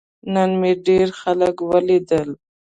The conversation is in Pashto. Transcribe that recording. نن مې ډیر خلک ولیدل.